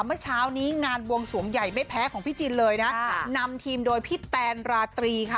เมื่อเช้านี้งานบวงสวงใหญ่ไม่แพ้ของพี่จินเลยนะนำทีมโดยพี่แตนราตรีค่ะ